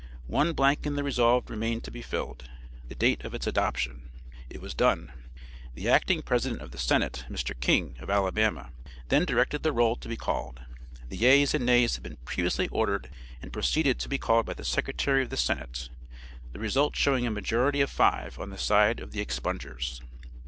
One blank in the resolve remained to be filled the date of its adoption. It was done. The acting President of the Senate, Mr. King, of Alabama, then directed the roll to be called. The yeas and nays had been previously ordered, and proceeded to be called by the Secretary of the Senate, the result showing a majority of five on the side of the expungers.